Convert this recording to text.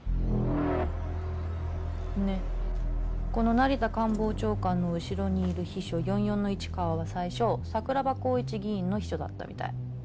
ねえこの成田官房長官の後ろにいる秘書４４の市川は最初桜庭紘一議員の秘書だったみたい。